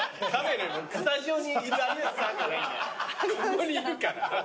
ここにいるから。